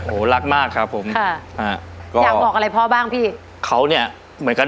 โอ้โหรักมากครับผมค่ะอ่าอยากบอกอะไรพ่อบ้างพี่เขาเนี่ยเหมือนกัน